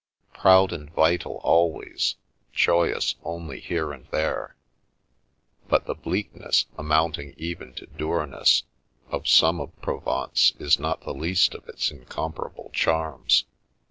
... Proud and vital always, joyous only here and there ; but the bleakness, amounting even to dourness, of some of Provence is not the least of its incomparable charms.